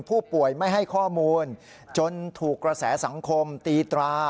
ผู้ป่วยไม่ให้ข้อมูลจนถูกกระแสสังคมตีตรา